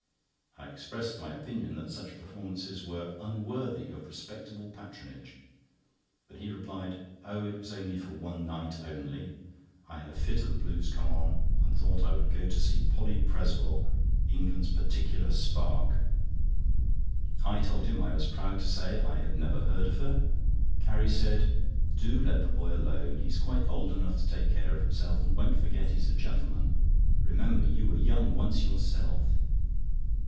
I expressed my opinion that such performances were unworthy of respectable patronage; but he replied: "Oh, it was only 'for one night only.' I had a fit of the blues come on, and thought I would go to see Polly Presswell, England's Particular Spark." I told him I was proud to say I had never heard of her. Carrie said: "Do let the boy alone. He's quite old enough to take care of himself, and won't forget he's a gentleman. Remember, you were young once yourself."